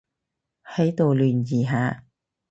喺度聯誼下